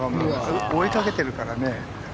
追いかけてるからね。